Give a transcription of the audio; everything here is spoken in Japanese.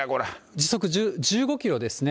時速１５キロですね。